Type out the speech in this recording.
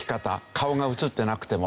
顔が映ってなくても。